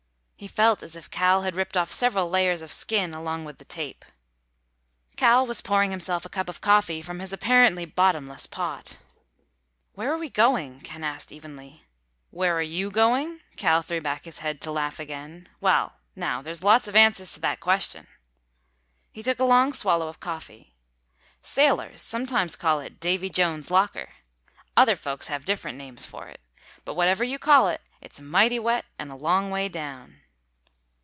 He felt as if Cal had ripped off several layers of skin along with the tape. Cal was pouring himself a cup of coffee from his apparently bottomless pot. "Where are we going?" Ken asked evenly. "Where are you going?" Cal threw back his head to laugh again. "Well, now, there's lots of answers to that question." He took a long swallow of coffee. "Sailors sometimes call it Davy Jones's locker. Other folks have different names for it. But whatever you call it, it's mighty wet and a long way down."